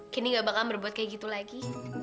kini gak bakal berbuat kayak gitu lagi